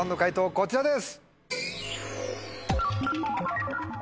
こちらです。